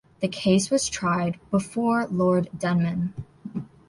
The case was tried before Lord Denman.